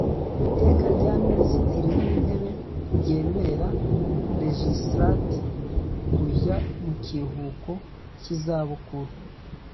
iteka rya minisitiri w intebe ryemerera legislat kujya mu kiruhuko cy izabukuru